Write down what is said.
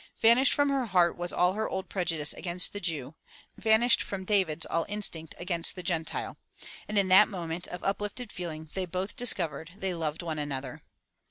Vanished from her heart was all her old prejudice against the Jew, vanished from David's all instinct against the Gentile. And in that moment of uplifted feeling they both dis covered they loved one another.